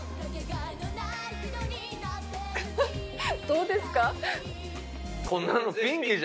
どうですか？